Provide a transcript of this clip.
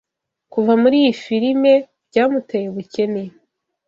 kuva muri iyi filime byamuteye ubukene